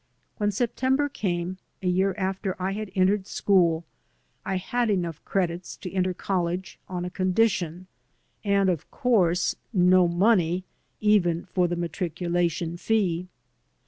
When September catne, a year after I had entered school, I had enough credits to enter college on a condition, and, of course, no money even for the matriculation fee.